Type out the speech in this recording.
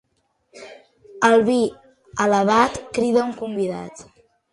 El vi alabat crida un convidat.